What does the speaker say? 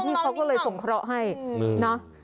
ที่เขาก็เลยส่งเคราะห์ให้นะ